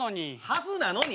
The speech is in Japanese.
はずなのに？